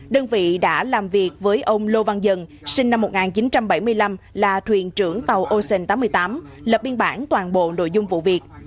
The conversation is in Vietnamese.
đơn vị đã làm việc với ông lô văn dân sinh năm một nghìn chín trăm bảy mươi năm là thuyền trưởng tàu ocean tám mươi tám lập biên bản toàn bộ nội dung vụ việc